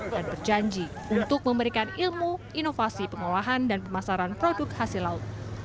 dan berjanji untuk memberikan ilmu inovasi pengelolaan dan pemasaran produk hasil laut